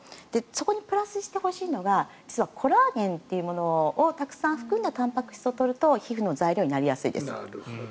そこにプラスしてほしいのが実はコラーゲンというものをたくさん含んだたんぱく質を取ると皮膚の材料になりやすいです。